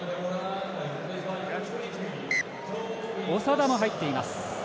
長田も入っています。